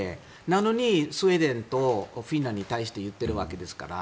なのにスウェーデンとフィンランドに対して言っているわけですから。